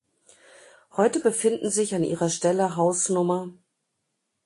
Heute befinden sich an ihrer Stelle Haus Nr.